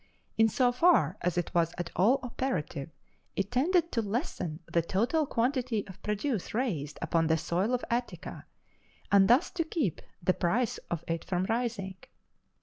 In so far as it was at all operative it tended to lessen the total quantity of produce raised upon the soil of Attica, and thus to keep the price of it from rising.